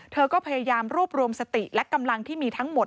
เธอก็พยายามรวบรวมสติและกำลังที่มีทั้งหมด